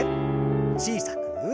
小さく。